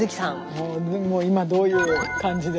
もう今どういう感じで。